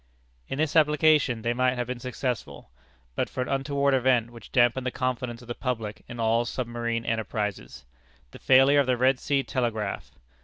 In this application they might have been successful, but for an untoward event, which dampened the confidence of the public in all submarine enterprises the failure of the Red Sea Telegraph.